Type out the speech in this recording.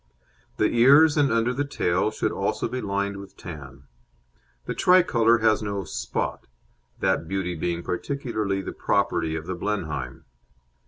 The ears and under the tail should also be lined with tan. The Tricolour has no "spot," that beauty being peculiarly the property of the Blenheim.